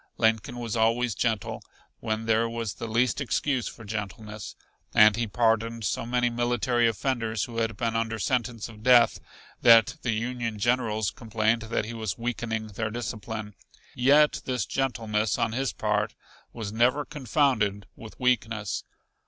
Lincoln was always gentle when there was the least excuse for gentleness, and he pardoned so many military offenders who had been under sentence of death that the Union Generals complained that he was weakening their discipline. Yet this gentleness on his part was never confounded with weakness.